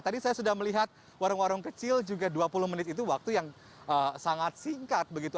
tadi saya sudah melihat warung warung kecil juga dua puluh menit itu waktu yang sangat singkat begitu